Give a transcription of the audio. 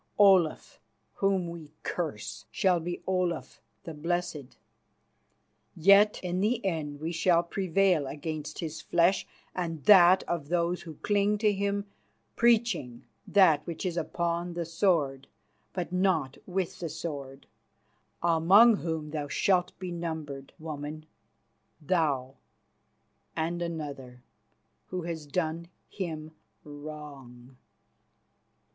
Olaf, whom we curse, shall be Olaf the Blessed. Yet in the end shall we prevail against his flesh and that of those who cling to him preaching that which is upon the sword but not with the sword, among whom thou shalt be numbered, woman thou, and another, who hast done him wrong."